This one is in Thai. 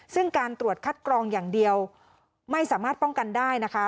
ซึ่งการตรวจคัดกรองอย่างเดียวไม่สามารถป้องกันได้นะคะ